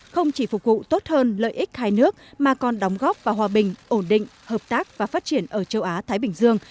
không chỉ phục vụ tốt hơn lợi ích hai nước mà còn đóng góp vào hòa bình ổn định hợp tác và phát triển ở châu á thái bình dương